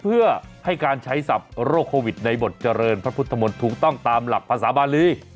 เพื่อให้การใช้ศัพท์โรคโควิดในบทเจริญพระพุทธมนต์ถูกต้องตามหลักภาษาบาลี